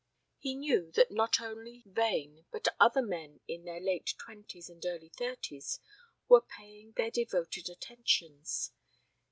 He knew that not only Vane but other men in their late twenties and early thirties were paying her devoted attentions.